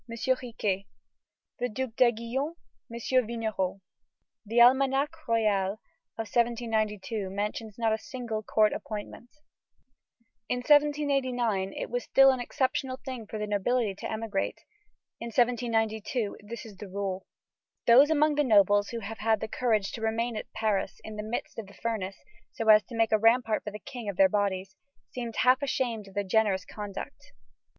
Riquet; the Duke d'Aiguillon, M. Vignerot. The Almanach royal of 1792 mentions not a single court appointment. In 1789, it was still an exceptional thing for the nobility to emigrate. In 1792, it is the rule. Those among the nobles who have had the courage to remain at Paris in the midst of the furnace, so as to make a rampart for the King of their bodies, seem half ashamed of their generous conduct.